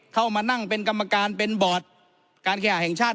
เข้ามานั่งเป็นกรรมการเป็นบอร์ดการแข่งชาติ